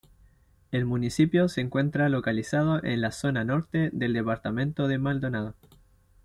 El municipio se encuentra localizado en la zona norte del departamento de Maldonado.